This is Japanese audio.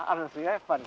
やっぱり。